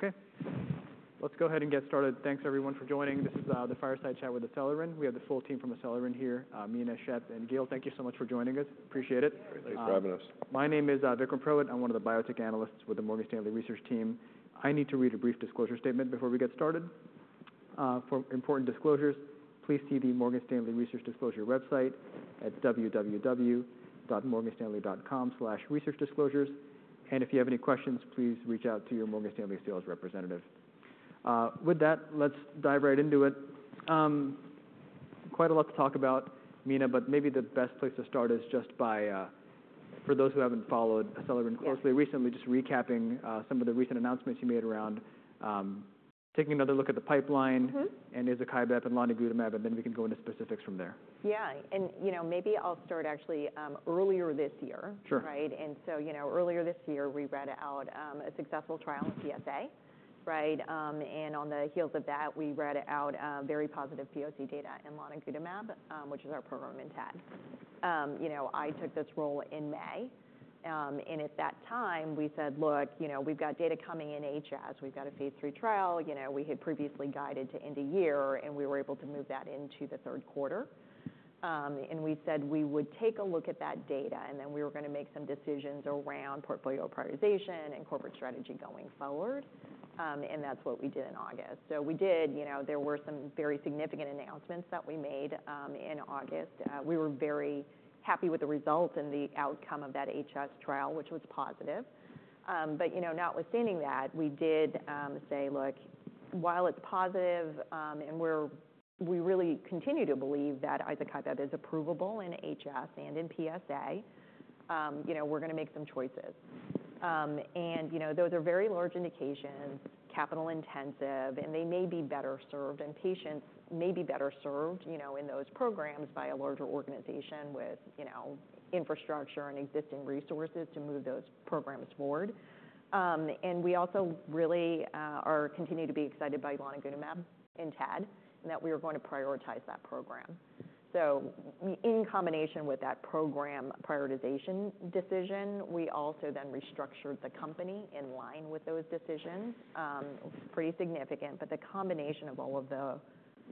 Okay, let's go ahead and get started. Thanks everyone for joining. This is the Fireside Chat with Acelyrin. We have the full team from Acelyrin here. Mina, Shep, and Gil, thank you so much for joining us. Appreciate it. Thanks for having us. My name is Vikram Purohit. I'm one of the biotech analysts with the Morgan Stanley research team. I need to read a brief disclosure statement before we get started. For important disclosures, please see the Morgan Stanley Research Disclosure website at www.morganstanley.com/researchdisclosures. If you have any questions, please reach out to your Morgan Stanley sales representative. With that, let's dive right into it. Quite a lot to talk about, Mina, but maybe the best place to start is just by, for those who haven't followed Acelyrin- Yes closely recently, just recapping, some of the recent announcements you made around, taking another look at the pipeline Mm-hmm - and izokibep and lonigutamab, and then we can go into specifics from there. Yeah. You know, maybe I'll start actually earlier this year. Sure. Right? And so, you know, earlier this year, we read out a successful trial in PSA, right? And on the heels of that, we read out very positive POC data in lonigutamab, which is our program in TED. You know, I took this role in May, and at that time we said, "Look, you know, we've got data coming in HS. We've got a phase three trial." You know, we had previously guided to end of year, and we were able to move that into the third quarter. And we said we would take a look at that data, and then we were gonna make some decisions around portfolio prioritization and corporate strategy going forward. And that's what we did in August. So we did... You know, there were some very significant announcements that we made in August. We were very happy with the results and the outcome of that HS trial, which was positive. You know, notwithstanding that, we did say, "Look, while it's positive, and we really continue to believe that izokibep is approvable in HS and in PSA, you know, we're gonna make some choices." You know, those are very large indications, capital-intensive, and they may be better served, and patients may be better served, you know, in those programs by a larger organization with infrastructure and existing resources to move those programs forward. We also really are continuing to be excited by lonigutamab in TED, and that we are going to prioritize that program. In combination with that program prioritization decision, we also then restructured the company in line with those decisions. Pretty significant, but the combination of all of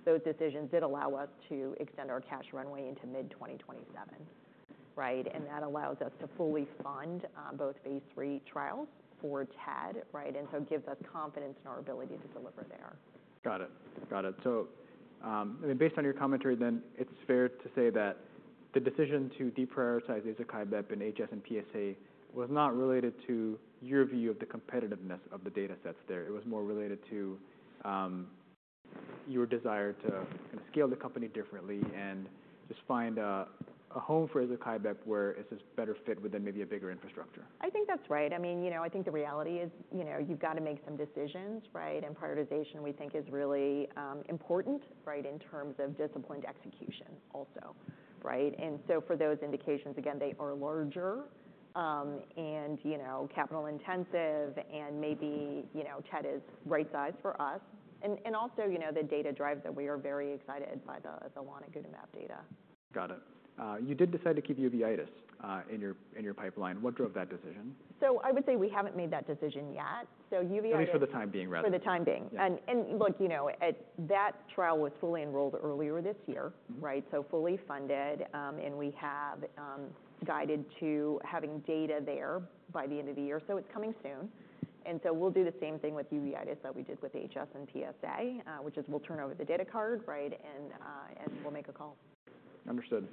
those decisions did allow us to extend our cash runway into mid-2027, right? That allows us to fully fund both phase 3 trials for TED, right? It gives us confidence in our ability to deliver there. Got it. Got it. Based on your commentary then, it's fair to say that the decision to deprioritize izokibep in HS and PSA was not related to your view of the competitiveness of the datasets there? It was more related to your desire to scale the company differently and just find a home for izokibep where it's just better fit within maybe a bigger infrastructure. I think that's right. I mean, you know, I think the reality is, you know, you've got to make some decisions, right? And prioritization, we think, is really important, right, in terms of disciplined execution also, right? For those indications, again, they are larger, and you know, capital-intensive and maybe, you know, TED is right size for us. Also, you know, the data drives that we are very excited by the, the lonigutamab data. Got it. You did decide to keep uveitis in your pipeline. What drove that decision? I would say we haven't made that decision yet. Uveitis— At least for the time being, rather. For the time being. Yeah. Look, you know, that trial was fully enrolled earlier this year, right? Mm-hmm. Fully funded, and we have guided to having data there by the end of the year, so it's coming soon. We'll do the same thing with uveitis that we did with HS and PSA, which is we'll turn over the data card, right, and we'll make a call. Understood.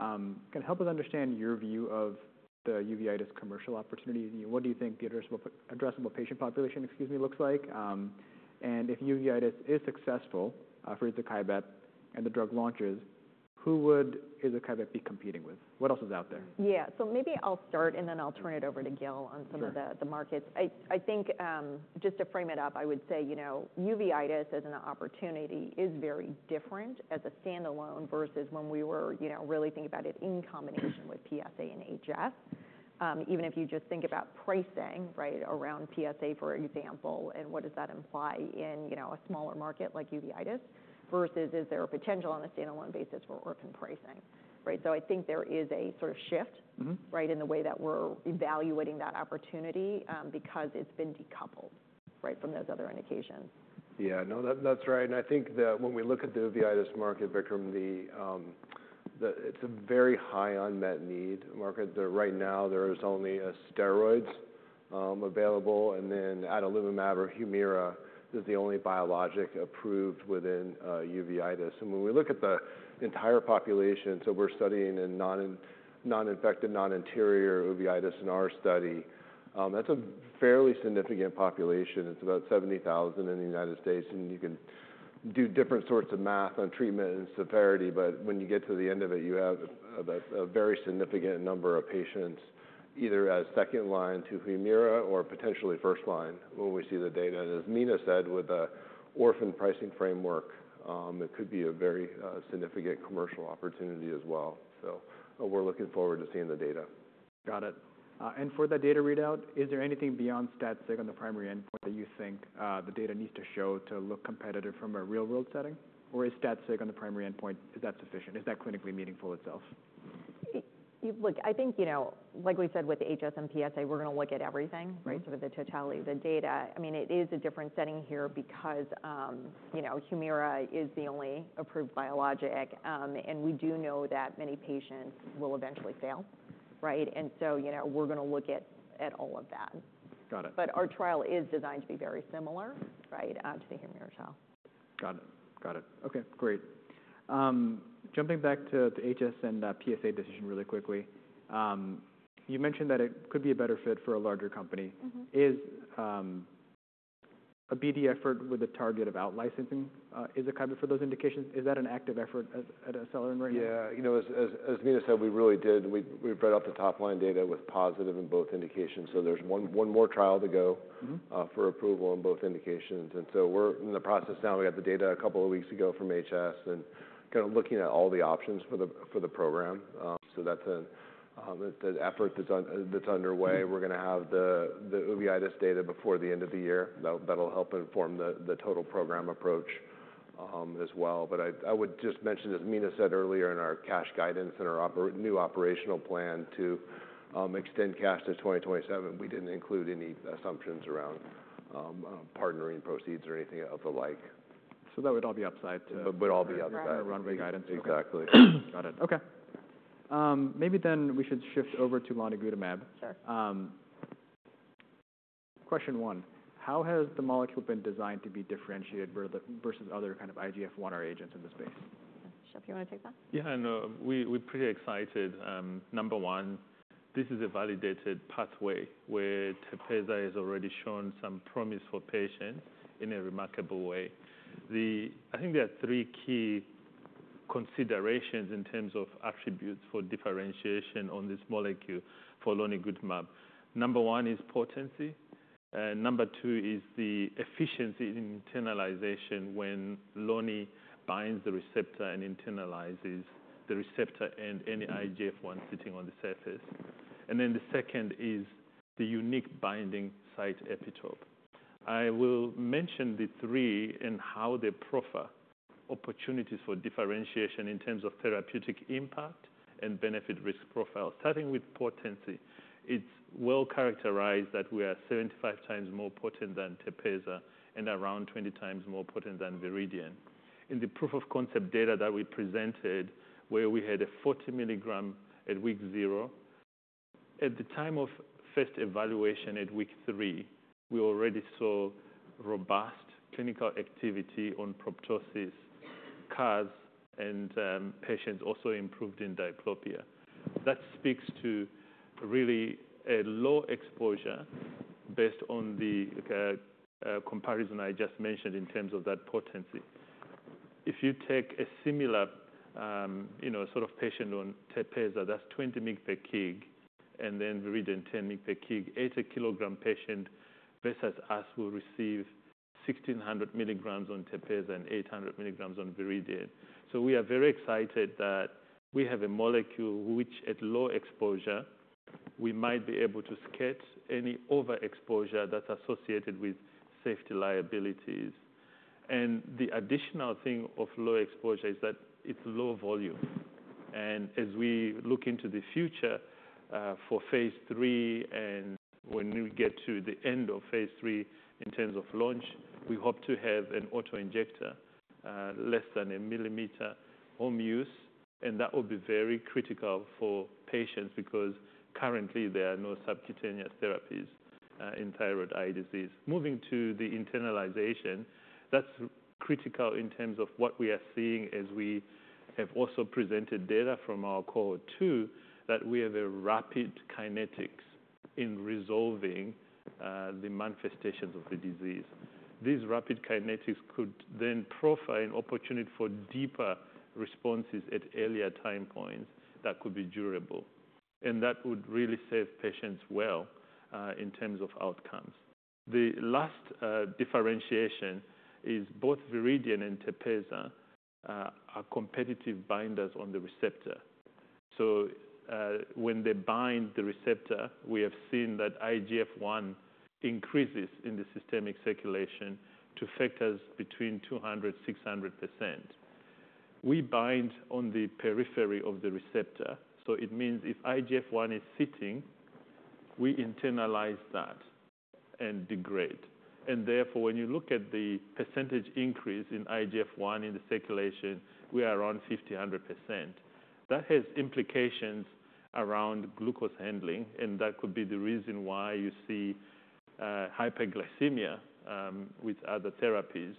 Can you help us understand your view of the uveitis commercial opportunity? What do you think the addressable patient population, excuse me, looks like? If uveitis is successful for izokibep and the drug launches, who would izokibep be competing with? What else is out there? Yeah. Maybe I'll start, and then I'll turn it over to Gil. Sure... on some of the, the markets. I think, just to frame it up, I would say, you know, uveitis as an opportunity is very different as a standalone versus when we were, you know, really thinking about it in combination with PSA and HS. Even if you just think about pricing, right, around PSA, for example, and what does that imply in, you know, a smaller market like uveitis? Versus is there a potential on a standalone basis for orphan pricing, right? I think there is a sort of shift- Mm-hmm... right, in the way that we're evaluating that opportunity, because it's been decoupled, right, from those other indications. Yeah. No, that's right. I think that when we look at the uveitis market, Vikram, it's a very high unmet need market. Right now, there's only steroids available, and then adalimumab or Humira is the only biologic approved within uveitis. When we look at the entire population, so we're studying in non-infected, non-anterior uveitis in our study, that's a fairly significant population. It's about 70,000 in the United States, and you can do different sorts of math on treatment and severity, but when you get to the end of it, you have a very significant number of patients, either as second line to Humira or potentially first line when we see the data. As Mina said, with the orphan pricing framework, it could be a very significant commercial opportunity as well. We're looking forward to seeing the data. Got it. And for the data readout, is there anything beyond stat sig on the primary endpoint that you think the data needs to show to look competitive from a real-world setting? Or is stat sig on the primary endpoint, is that sufficient? Is that clinically meaningful itself? Look, I think, you know, like we said, with HS and PSA, we're going to look at everything, right? Sort of the totality, the data. I mean, it is a different setting here because, you know, Humira is the only approved biologic, and we do know that many patients will eventually fail, right? And so, you know, we're gonna look at, at all of that. Got it. Our trial is designed to be very similar, right, to the Humira trial. Got it. Got it. Okay, great. Jumping back to the HS and PSA decision really quickly. You mentioned that it could be a better fit for a larger company. Mm-hmm. Is a BD effort with a target of out licensing, is it kind of for those indications, is that an active effort at Acelyrin right now? Yeah, you know, as Meena said, we really did-- we, we've read out the top-line data with positive in both indications, so there's one, one more trial to go. Mm-hmm. For approval in both indications. We're in the process now. We got the data a couple of weeks ago from HS and kind of looking at all the options for the program. That's the effort that's underway. We're gonna have the uveitis data before the end of the year. That'll help inform the total program approach as well. I would just mention, as Mina said earlier in our cash guidance and our new operational plan to extend cash to 2027, we didn't include any assumptions around partnering proceeds or anything of the like. That would all be upside to- All would be upside. Runway guidance. Exactly. Got it. Okay. Maybe then we should shift over to lonigutamab. Sure. Question one: How has the molecule been designed to be differentiated where the-- versus other kind of IGF-1R agents in the space? Shep, you want to take that? Yeah, I know. We, we're pretty excited. Number one, this is a validated pathway where Tepezza has already shown some promise for patients in a remarkable way. I think there are three key considerations in terms of attributes for differentiation on this molecule for lonigutamab. Number one is potency, and number two is the efficiency in internalization when Loni binds the receptor and internalizes the receptor and any IGF-1 sitting on the surface. And then the second is the unique binding site epitope. I will mention the three and how they proffer opportunities for differentiation in terms of therapeutic impact and benefit risk profile. Starting with potency, it's well characterized that we are seventy-five times more potent than Tepezza and around twenty times more potent than Viridian. In the proof of concept data that we presented, where we had a 40 milligram at week zero, at the time of first evaluation at week three, we already saw robust clinical activity on proptosis, CAS, and patients also improved in diplopia. That speaks to really a low exposure based on the comparison I just mentioned in terms of that potency. If you take a similar, you know, sort of patient on Tepezza, that's 20 mg per kg, and then Viridian, 10 mg per kg. Eighty kilogram patient versus us will receive 1,600 milligrams on Tepezza and 800 milligrams on Viridian. We are very excited that we have a molecule which, at low exposure, we might be able to skirt any overexposure that's associated with safety liabilities. The additional thing of low exposure is that it's low volume. As we look into the future for phase three and when we get to the end of phase three in terms of launch, we hope to have an auto-injector, less than a millimeter home use, and that will be very critical for patients because currently there are no subcutaneous therapies in thyroid eye disease. Moving to the internalization, that's critical in terms of what we are seeing as we have also presented data from our cohort two, that we have a rapid kinetics in resolving the manifestations of the disease. These rapid kinetics could then profile an opportunity for deeper responses at earlier time points that could be durable, and that would really serve patients well in terms of outcomes. The last differentiation is both Viridian and Tepezza are competitive binders on the receptor. When they bind the receptor, we have seen that IGF-1 increases in the systemic circulation to factors between 200-600%. We bind on the periphery of the receptor, so it means if IGF-1 is sitting, we internalize that and degrade. Therefore, when you look at the percentage increase in IGF-1 in the circulation, we are around 50-100%. That has implications around glucose handling, and that could be the reason why you see hyperglycemia with other therapies.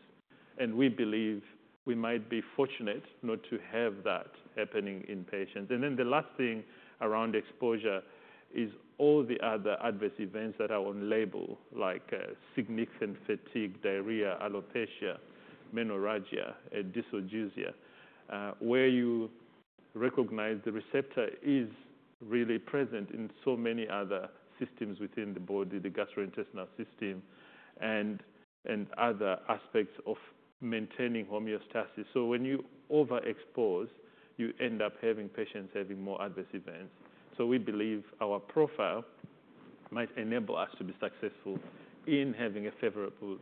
We believe we might be fortunate not to have that happening in patients. The last thing around exposure is all the other adverse events that are on label, like significant fatigue, diarrhea, alopecia, menorrhagia, dysarthria, where you recognize the receptor is really present in so many other systems within the body, the gastrointestinal system, and other aspects of maintaining homeostasis. When you overexpose, you end up having patients having more adverse events. We believe our profile might enable us to be successful in having a favorable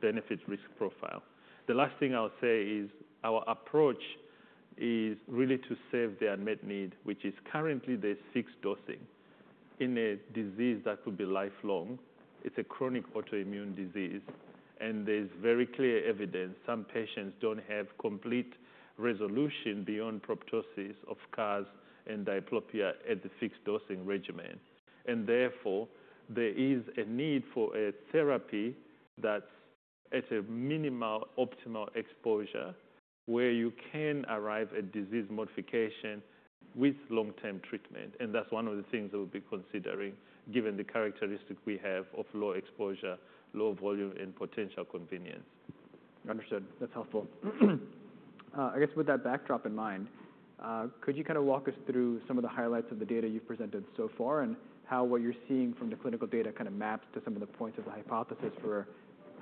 benefit-risk profile. The last thing I'll say is, our approach is really to serve the unmet need, which is currently there's six dosing in a disease that could be lifelong. It's a chronic autoimmune disease, and there's very clear evidence some patients don't have complete resolution beyond proptosis of CAS and diplopia at the fixed dosing regimen. There is a need for a therapy that's at a minimal optimal exposure, where you can arrive at disease modification with long-term treatment. That's one of the things that we'll be considering, given the characteristic we have of low exposure, low volume, and potential convenience. Understood. That's helpful. I guess with that backdrop in mind, could you kind of walk us through some of the highlights of the data you've presented so far, and how what you're seeing from the clinical data kind of maps to some of the points of the hypothesis for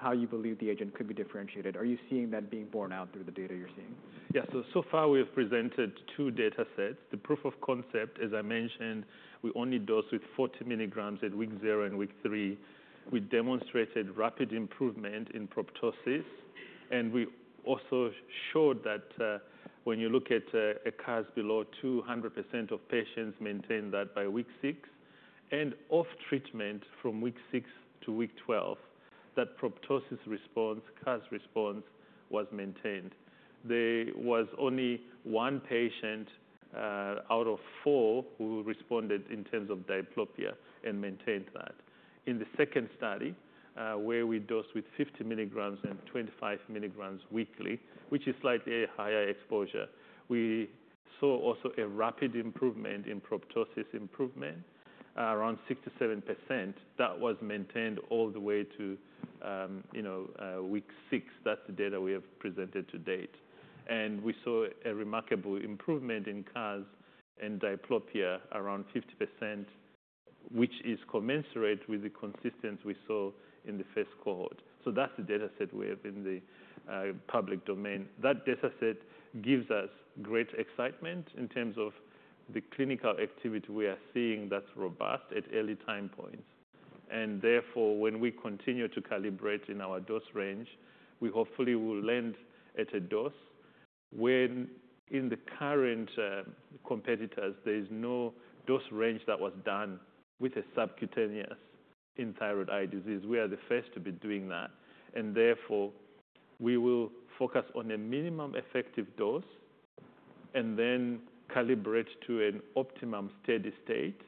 how you believe the agent could be differentiated? Are you seeing that being borne out through the data you're seeing? Yeah. So far, we have presented two datasets. The proof of concept, as I mentioned, we only dosed with 40 milligrams at week zero and week three. We demonstrated rapid improvement in proptosis, and we also showed that, you know, when you look at a CAS below two, 100% of patients maintain that by week six. Off treatment from week six to week twelve, that proptosis response, CAS response, was maintained. There was only one patient out of four who responded in terms of diplopia and maintained that. In the second study, where we dosed with 50 milligrams and 25 milligrams weekly, which is slightly a higher exposure, we saw also a rapid improvement in proptosis improvement, around 67%. That was maintained all the way to, you know, week six. That's the data we have presented to date. We saw a remarkable improvement in CAS and diplopia, around 50%, which is commensurate with the consistency we saw in the first cohort. That is the dataset we have in the public domain. That dataset gives us great excitement in terms of the clinical activity we are seeing that is robust at early time points. Therefore, when we continue to calibrate in our dose range, we hopefully will land at a dose. In the current competitors, there is no dose range that was done with a subQ in thyroid eye disease. We are the first to be doing that, and therefore, we will focus on a minimum effective dose and then calibrate to an optimum steady state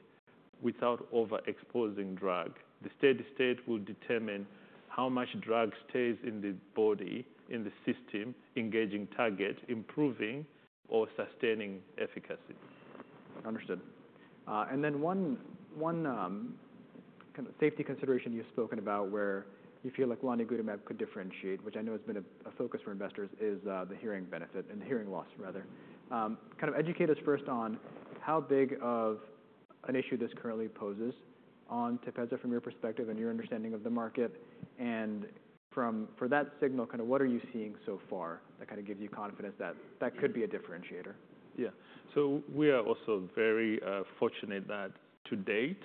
without overexposing drug. The steady state will determine how much drug stays in the body, in the system, engaging target, improving or sustaining efficacy. Understood. And then one, one, kind of safety consideration you've spoken about, where you feel like lonigutamab could differentiate, which I know has been a focus for investors, is the hearing benefit... and hearing loss, rather. Kind of educate us first on how big of an issue this currently poses on Tepezza from your perspective and your understanding of the market. For that signal, kind of what are you seeing so far that gives you confidence that that could be a differentiator? Yeah. We are also very fortunate that to date,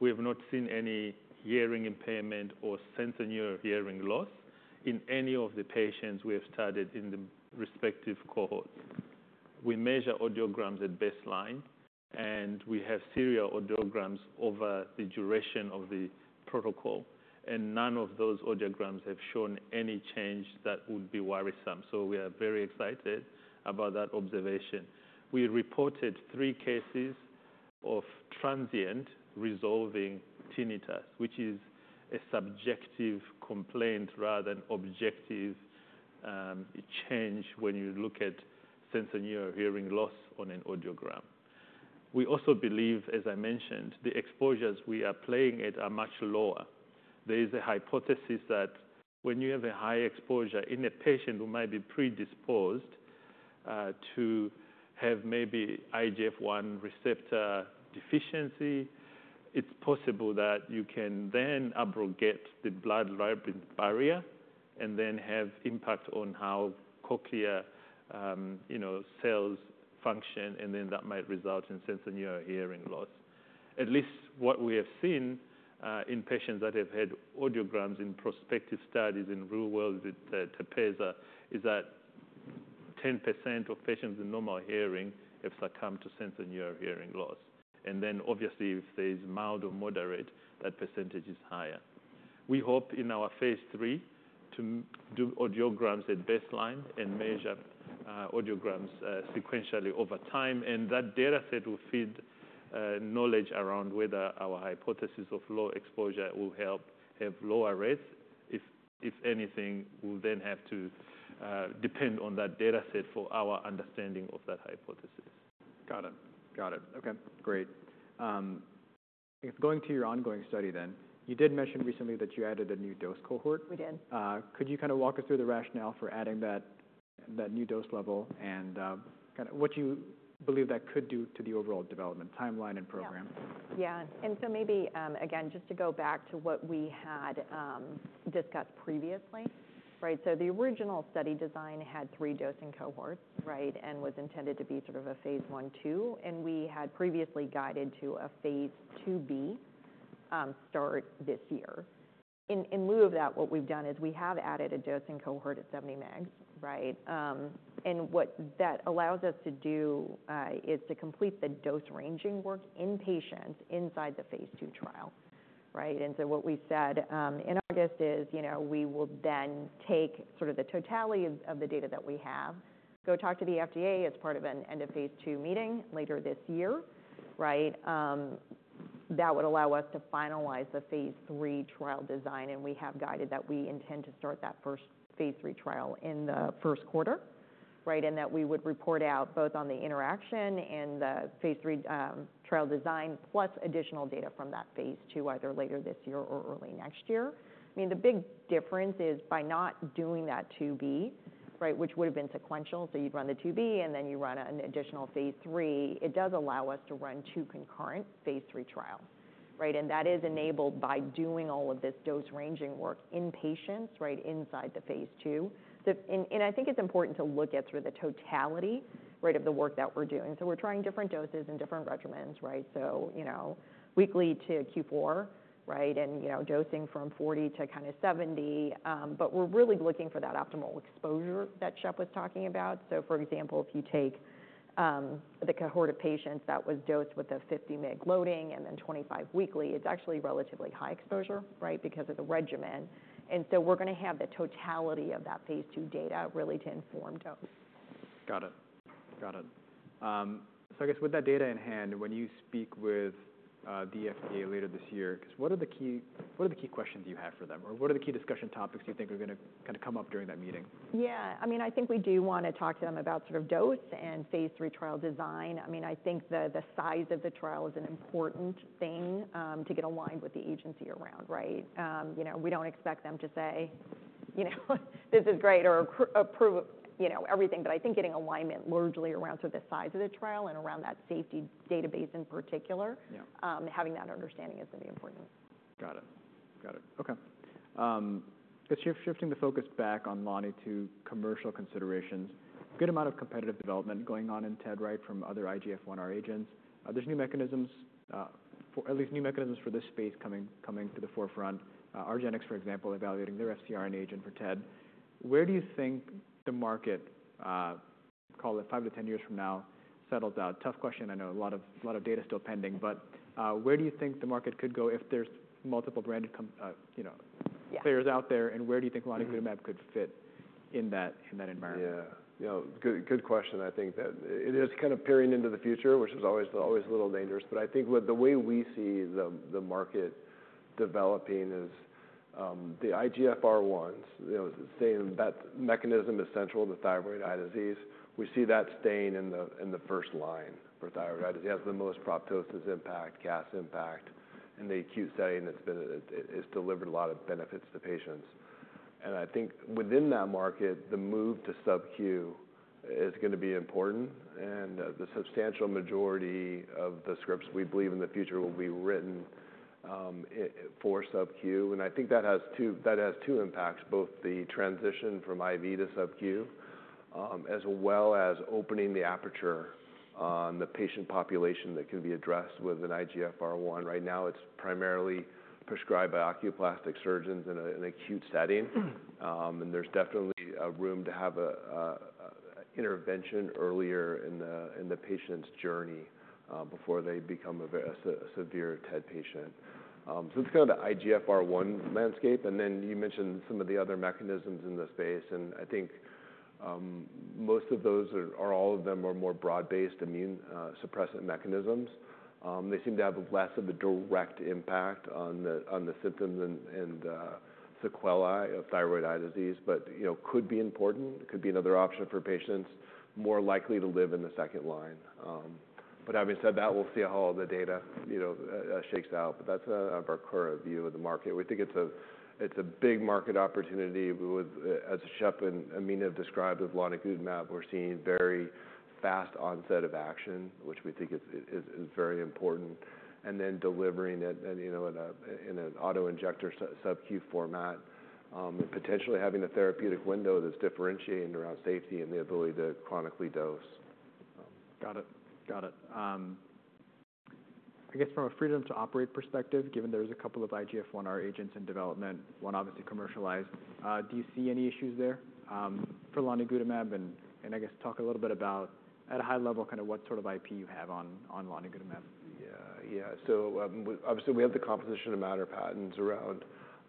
we have not seen any hearing impairment or sensorineural hearing loss in any of the patients we have studied in the respective cohorts. We measure audiograms at baseline, and we have serial audiograms over the duration of the protocol, and none of those audiograms have shown any change that would be worrisome. We are very excited about that observation. We reported three cases of transient resolving tinnitus, which is a subjective complaint rather than objective change when you look at sensorineural hearing loss on an audiogram. We also believe, as I mentioned, the exposures we are playing at are much lower. There is a hypothesis that when you have a high exposure in a patient who might be predisposed to have maybe IGF-1 receptor deficiency, it's possible that you can then abrogate the blood-brain barrier and then have impact on how cochlear, you know, cells function, and that might result in sensorineural hearing loss. At least what we have seen in patients that have had audiograms in prospective studies in real world with Tepezza is that 10% of patients with normal hearing have succumbed to sensorineural hearing loss. Obviously, if there's mild or moderate, that percentage is higher. We hope in our phase 3 to do audiograms at baseline and measure audiograms sequentially over time, and that dataset will feed knowledge around whether our hypothesis of low exposure will help have lower rates. If anything, we'll then have to depend on that dataset for our understanding of that hypothesis. Got it. Got it. Okay, great. Going to your ongoing study then, you did mention recently that you added a new dose cohort? We did. Could you kind of walk us through the rationale for adding that, that new dose level and, kind of what you believe that could do to the overall development timeline and program? Yeah. Yeah, and so maybe, again, just to go back to what we had discussed previously, right? The original study design had three dosing cohorts, right? And was intended to be sort of a phase one/two, and we had previously guided to a phase 2b start this year. In lieu of that, what we've done is we have added a dosing cohort at 70 mg, right? And what that allows us to do is to complete the dose ranging work in patients inside the phase II trial, right? And so what we said in August is, you know, we will then take sort of the totality of the data that we have, go talk to the FDA as part of an end of phase II meeting later this year, right? That would allow us to finalize the phase III trial design, and we have guided that we intend to start that first phase III trial in the first quarter, right? And that we would report out both on the interaction and the phase III trial design, plus additional data from that phase II, either later this year or early next year. I mean, the big difference is by not doing that IIb, right, which would have been sequential, so you'd run the IIb, and then you run an additional phase III. It does allow us to run two concurrent phase III trials, right? And that is enabled by doing all of this dose-ranging work in patients, right inside the phase II. I think it's important to look at through the totality, right, of the work that we're doing. We're trying different doses and different regimens, right? You know, weekly to Q4, right, and, you know, dosing from 40 to kind of 70, but we're really looking for that optimal exposure that Shep was talking about. For example, if you take the cohort of patients that was dosed with a 50 mg loading and then 25 weekly, it's actually relatively high exposure, right, because of the regimen. We're going to have the totality of that phase II data, really, to inform dose. Got it. Got it. I guess with that data in hand, when you speak with the FDA later this year, what are the key, what are the key questions you have for them, or what are the key discussion topics you think are gonna kinda come up during that meeting? Yeah, I mean, I think we do want to talk to them about sort of dose and phase III trial design. I mean, I think the size of the trial is an important thing to get aligned with the agency around, right? You know, we don't expect them to say, you know, "This is great," or approve, you know, everything. I think getting alignment largely around sort of the size of the trial and around that safety database in particular. Yeah. Having that understanding is going to be important. Got it. Got it. Okay, just shifting the focus back on Loni to commercial considerations. Good amount of competitive development going on in TED, right, from other IGF-1R agents. There's new mechanisms, at least new mechanisms for this space coming, coming to the forefront. Argenx, for example, evaluating their FcRn agent for TED. Where do you think the market, call it five to ten years from now, settles out? Tough question, I know a lot of, lot of data still pending, but, where do you think the market could go if there's multiple branded com-- you know- Yeah... players out there, and where do you think lonigutamab could fit in that, in that environment? Yeah. You know, good, good question. I think that it is kind of peering into the future, which is always, always a little dangerous. I think with the way we see the, the market developing is, the IGF-1Rs, you know, saying that mechanism is central to thyroid eye disease, we see that staying in the, in the first line for thyroid eye disease. It has the most proptosis impact, CAS impact. In the acute setting, it's been, it, it's delivered a lot of benefits to patients. I think within that market, the move to subQ is gonna be important, and the substantial majority of the scripts, we believe in the future, will be written, i- for subQ. I think that has two impacts, both the transition from IV to subQ, as well as opening the aperture on the patient population that can be addressed with an IGF-1R. Right now, it's primarily prescribed by oculoplastic surgeons in an acute setting. There's definitely room to have an intervention earlier in the patient's journey, before they become a severe TED patient. It's kind of the IGF-1R landscape, and then you mentioned some of the other mechanisms in the space, and I think most of those, or all of them, are more broad-based immune suppressant mechanisms. They seem to have less of a direct impact on the, on the symptoms and, and, you know, sequelae of thyroid eye disease, but, you know, could be important, could be another option for patients more likely to live in the second line. Having said that, we'll see how all the data, you know, shakes out, but that's our current view of the market. We think it's a, it's a big market opportunity. We would, as Shep and Mina described, with lonigutamab, we're seeing very fast onset of action, which we think is, is, is very important, and then delivering it, and, you know, in a, in an auto-injector subQ format, potentially having a therapeutic window that's differentiating around safety and the ability to chronically dose. Got it. Got it. I guess from a freedom-to-operate perspective, given there's a couple of IGF-1 agents in development, one obviously commercialized, do you see any issues there for lonigutamab? And I guess talk a little bit about, at a high level, kind of what sort of IP you have on lonigutamab. Yeah. Yeah. Obviously, we have the composition of matter patents around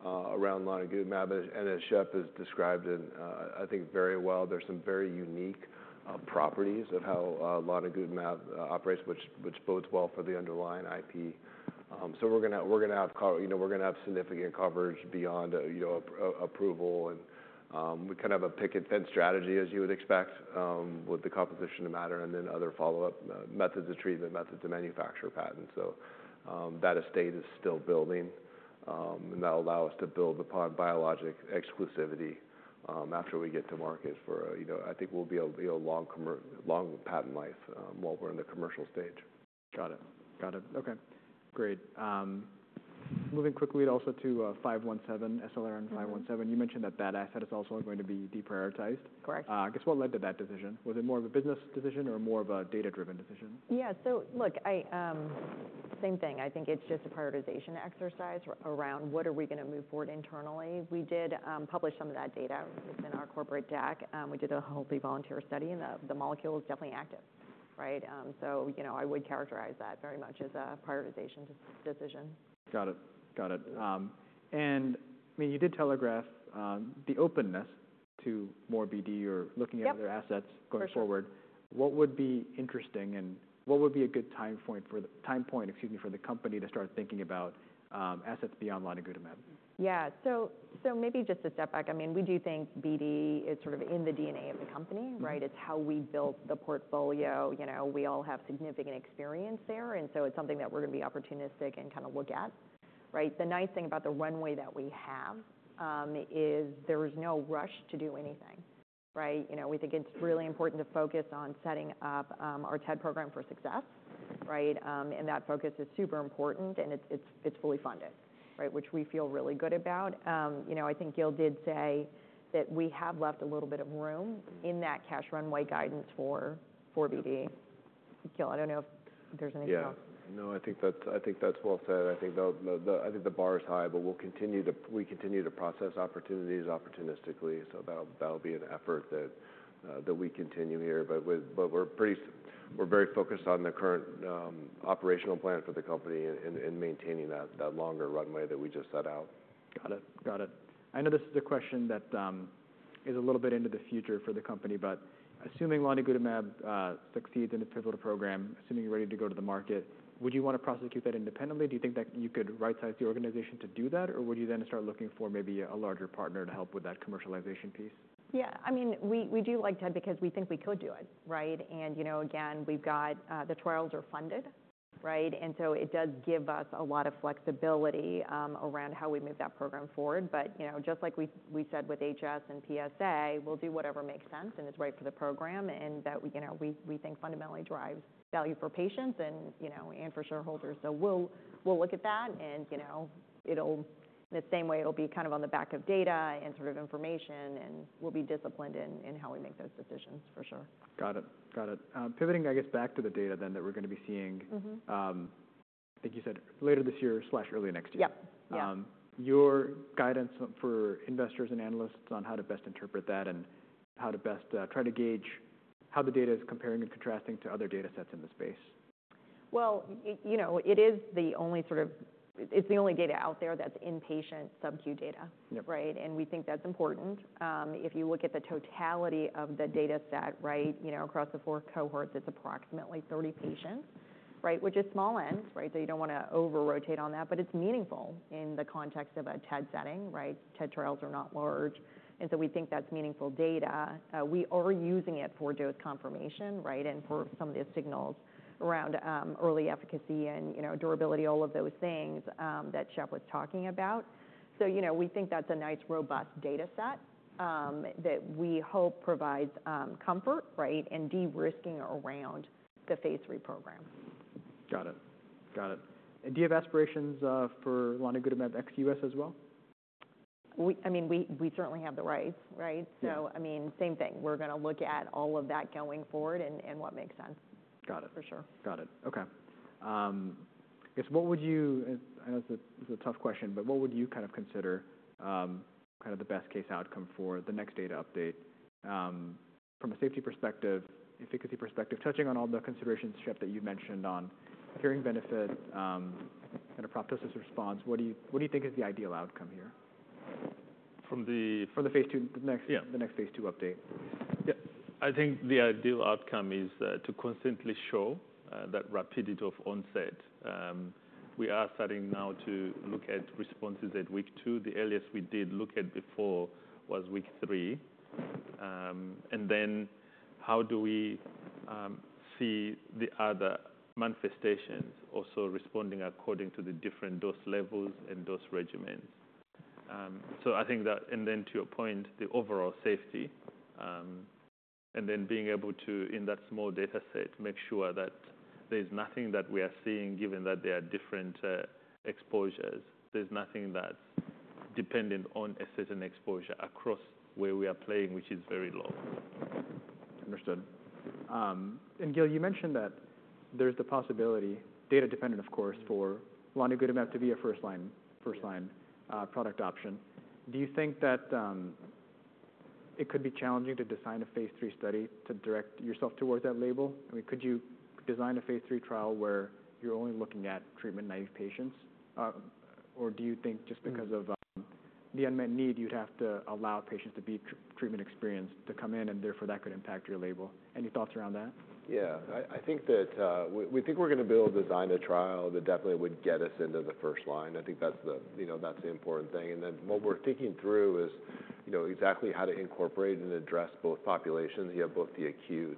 lonigutamab. As Shep has described it, I think very well, there's some very unique properties of how lonigutamab operates, which bodes well for the underlying IP. We're gonna have significant coverage beyond, you know, approval, and we kind of have a picket fence strategy, as you would expect, with the composition of matter and then other follow-up methods of treatment, methods of manufacture patents. That estate is still building, and that will allow us to build upon biologic exclusivity after we get to market for, you know, I think we'll be a long commer-- long patent life, while we're in the commercial stage. Got it. Got it. Okay, great. Moving quickly also to five one seven, SLRN-517. You mentioned that that asset is also going to be deprioritized. Correct. I guess, what led to that decision? Was it more of a business decision or more of a data-driven decision? Yeah. Look, I think it's just a prioritization exercise around what are we gonna move forward internally. We did publish some of that data. It's in our corporate deck. We did a healthy volunteer study, and the molecule is definitely active, right? You know, I would characterize that very much as a prioritization decision. Got it. Got it. I mean, you did telegraph the openness to more BD or looking at- Yep -other assets going forward. For sure. What would be interesting, and what would be a good time point for the company to start thinking about assets beyond lonigutamab? Yeah. Maybe just a step back. I mean, we do think BD is sort of in the DNA of the company, right? Mm-hmm. It's how we built the portfolio. You know, we all have significant experience there, and so it's something that we're gonna be opportunistic and kinda look at, right? The nice thing about the runway that we have is there is no rush to do anything, right? You know, we think it's really important to focus on setting up our TED program for success, right? That focus is super important, and it's, it's, it's fully funded, right? Which we feel really good about. You know, I think Gil did say that we have left a little bit of room- Mm-hmm -in that cash runway guidance for, for BD. Gil, I don't know if there's anything else. Yeah. No, I think that's, I think that's well said. I think the bar is high, but we continue to process opportunities opportunistically, so that'll be an effort that we continue here. We're very focused on the current, operational plan for the company and maintaining that longer runway that we just set out. Got it. Got it. I know this is a question that is a little bit into the future for the company, but assuming lonigutamab succeeds in its pivotal program, assuming you're ready to go to the market, would you want to prosecute that independently? Do you think that you could right-size the organization to do that, or would you then start looking for maybe a larger partner to help with that commercialization piece? Yeah, I mean, we do like TED because we think we could do it, right? And, you know, again, we've got the trials are funded, right? And so it does give us a lot of flexibility around how we move that program forward. But, you know, just like we said with HS and PSA, we'll do whatever makes sense and is right for the program, and that, you know, we think fundamentally drives value for patients and, you know, and for shareholders. We'll look at that and, you know, it'll... In the same way, it'll be kind of on the back of data and sort of information, and we'll be disciplined in how we make those decisions, for sure. Got it. Got it. Pivoting, I guess, back to the data then that we're gonna be seeing— Mm-hmm I think you said later this year/early next year. Yep. Yeah. Your guidance for investors and analysts on how to best interpret that and how to best, try to gauge how the data is comparing and contrasting to other data sets in the space. You know, it is the only sort of-- it's the only data out there that's in-patient subQ data. Yep. Right? And we think that's important. If you look at the totality of the data set, right, you know, across the four cohorts, it's approximately 30 patients, right? Which is small N, right? So you don't wanna over-rotate on that, but it's meaningful in the context of a TED setting, right? TED trials are not large, and so we think that's meaningful data. We are using it for dose confirmation, right? Mm-hmm. For some of the signals around, you know, early efficacy and, you know, durability, all of those things that Shep was talking about. You know, we think that's a nice, robust data set that we hope provides, you know, comfort, right? In de-risking around the phase III program. Got it. Got it. And do you have aspirations for lonigutamab ex US as well? I mean, we certainly have the right, right? Yeah. I mean, same thing. We're gonna look at all of that going forward and what makes sense. Got it. For sure. Got it. Okay. I guess what would you... I know this is a tough question, but what would you kind of consider, kind of the best-case outcome for the next data update, from a safety perspective, efficacy perspective? Touching on all the considerations, Shep, that you mentioned on hearing benefit, and proptosis response, what do you, what do you think is the ideal outcome here? From the- From the phase II, the next- Yeah... the next phase II update. Yeah. I think the ideal outcome is to constantly show that rapidity of onset. We are starting now to look at responses at week two. The earliest we did look at before was week three. How do we see the other manifestations also responding according to the different dose levels and dose regimens? I think that, to your point, the overall safety, and then being able to, in that small data set, make sure that there's nothing that we are seeing, given that there are different exposures, there's nothing that's dependent on a certain exposure across where we are playing, which is very low. Understood. Gil, you mentioned that there's the possibility, data-dependent, of course, for lonigutamab to be a first-line, first-line, product option. Do you think that it could be challenging to design a phase 3 study to direct yourself towards that label? I mean, could you design a phase 3 trial where you're only looking at treatment-naive patients? Or do you think just because of the unmet need, you'd have to allow patients to be treatment experienced to come in, and therefore, that could impact your label? Any thoughts around that? Yeah. I think that, we think we're gonna build, design a trial that definitely would get us into the first line. I think that's the, you know, that's the important thing. And then what we're thinking through is, you know, exactly how to incorporate and address both populations. You have both the acute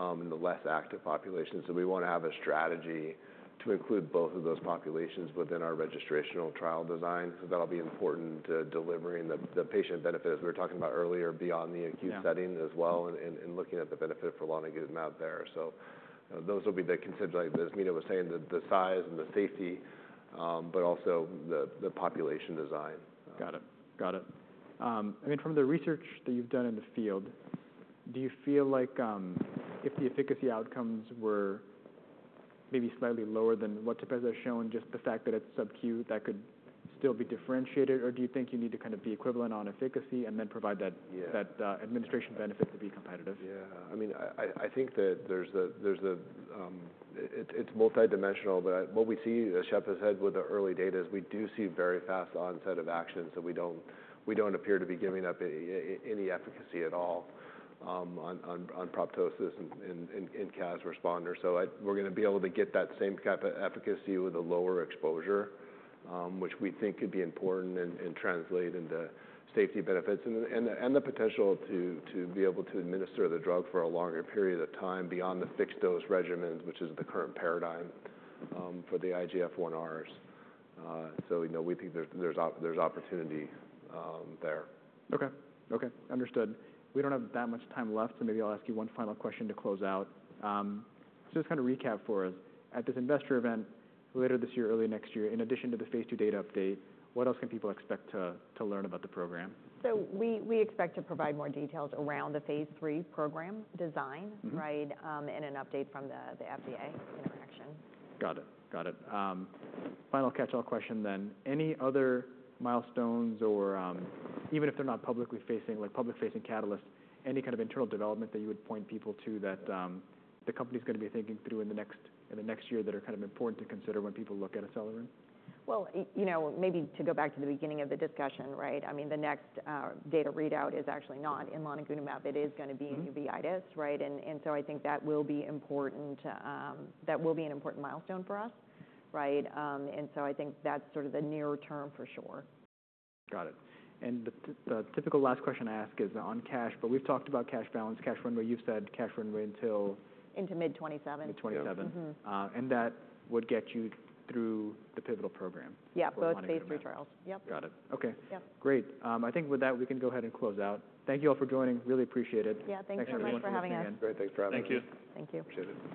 and the less active population. We want to have a strategy to include both of those populations within our registrational trial design. That'll be important to delivering the patient benefit, as we were talking about earlier, beyond the acute setting. Yeah as well, and looking at the benefit for lonigutamab there. So, those will be the considerations. Like Mina was saying, the size and the safety, but also the population design. Got it. Got it. I mean, from the research that you've done in the field, do you feel like, if the efficacy outcomes were maybe slightly lower than what Tepezza has shown, just the fact that it's subQ, that could still be differentiated? Or do you think you need to kind of be equivalent on efficacy and then provide that- Yeah... that administration benefit to be competitive? Yeah. I mean, I think that there's the, there's the, it's, it's multidimensional, but what we see, as Shep has said with the early data, is we do see very fast onset of action, so we don't, we don't appear to be giving up any efficacy at all on proptosis in CAS responders. I- we're gonna be able to get that same type of efficacy with a lower exposure, which we think could be important and translate into safety benefits and the potential to be able to administer the drug for a longer period of time beyond the fixed-dose regimens, which is the current paradigm for the IGF-1Rs. You know, we think there's opportunity there. Okay. Okay, understood. We don't have that much time left, so maybe I'll ask you one final question to close out. Just kind of recap for us, at this investor event later this year, early next year, in addition to the phase II data update, what else can people expect to learn about the program? We expect to provide more details around the phase 3 program design. Mm-hmm... right? And an update from the FDA interaction. Got it. Got it. Final catch-all question then: Any other milestones or, even if they're not publicly facing, like public-facing catalysts, any kind of internal development that you would point people to that the company's gonna be thinking through in the next, in the next year that are kind of important to consider when people look at Acelyrin? You know, maybe to go back to the beginning of the discussion, right? I mean, the next data readout is actually not in lonigutamab. It is gonna be- Mm-hmm... in uveitis, right? I think that will be important, that will be an important milestone for us, right? I think that's sort of the near term for sure. Got it. The typical last question I ask is on cash, but we've talked about cash balance, cash runway. You've said cash runway until? Into mid 2027. Mid '27. Mm-hmm. And that would get you through the pivotal program? Yeah- With lonigutamab... both phase III trials. Yep. Got it. Okay. Yep. Great. I think with that, we can go ahead and close out. Thank you all for joining. Really appreciate it. Yeah, thank you so much for having us. Thanks, everyone, for coming in. Great. Thanks for having us. Thank you. Thank you. Appreciate it.